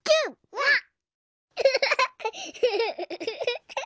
わっ！